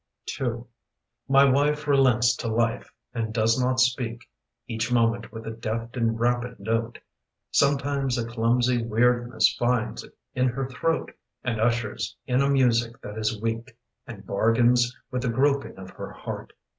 II MY wife relents to life and does not speak Each moment with a deft and rapid note. Sometimes a clumsy weirdness finds in her throat And ushers in a music that is weak And bargains with the groping of her heart.